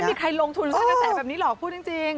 มีคนลงทุนสร้างกระแสแบบนี้หรอกพูดจริง